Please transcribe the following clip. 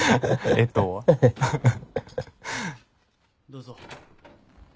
どうぞ。